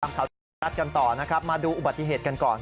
ข่าวเท่าที่เราจัดกันต่อมาดูอุบัติเหตุกันก่อน